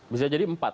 bisa jadi empat